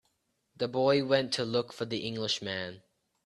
The boy went to look for the Englishman.